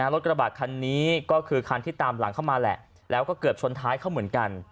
รถกระบะคันนี้ก็คือคันที่ตามหลังเข้ามาแหละแล้วก็เกือบชนท้ายเขาเหมือนกัน